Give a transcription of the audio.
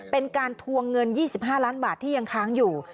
เป็นการทวงเงิน๒๕ล้านบาทที่ยังค้างอยู่